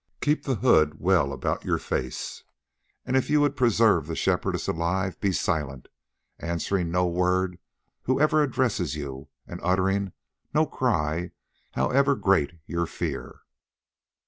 Keep the hood well about your face, and if you would preserve the Shepherdess alive, be silent, answering no word whoever addresses you, and uttering no cry however great your fear."